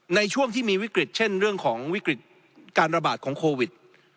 ในช่วงที่มีวิกฤตเช่นเรื่องของวิกฤตการระบาดของโควิด